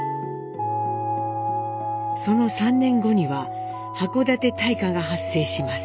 その３年後には函館大火が発生します。